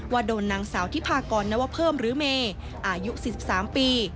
ว่าโดนนางสาวทิพากรนวเพิ่มหรือเมย์อายุ๔๓ปี